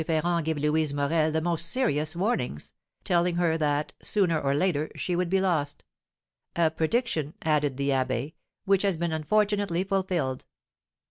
Ferrand give Louise Morel the most serious warnings, telling her that, sooner or later, she would be lost, 'a prediction,' added the abbé, 'which has been unfortunately fulfilled.'